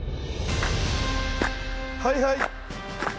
はいはい。